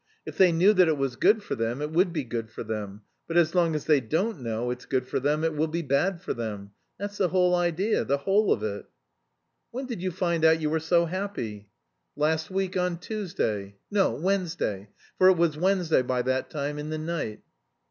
If they knew that it was good for them, it would be good for them, but as long as they don't know it's good for them, it will be bad for them. That's the whole idea, the whole of it." "When did you find out you were so happy?" "Last week, on Tuesday, no, Wednesday, for it was Wednesday by that time, in the night."